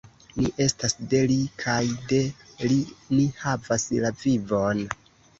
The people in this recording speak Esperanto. Ni estas de Li kaj de Li ni havas la vivon!